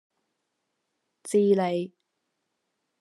智利